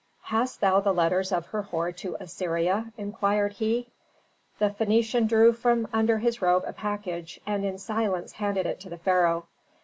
"Hast thou the letters of Herhor to Assyria?" inquired he. The Phœnician drew from under his robe a package, and in silence handed it to the pharaoh.